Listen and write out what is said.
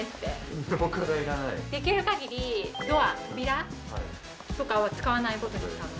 できる限りドア扉とかを使わない事にしたの。